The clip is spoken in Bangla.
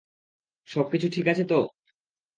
সব কিছু ঠিক আছে তো?